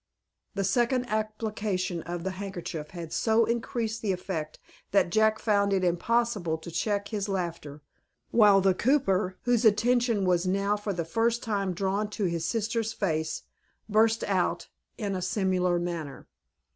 The second application of the handkerchief had so increased the effect, that Jack found it impossible to check his laughter, while the cooper, whose attention was now for the first time drawn to his sister's face, burst out in a similar manner.